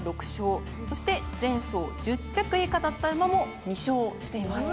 そして前走１０着以下だった馬も２勝しています。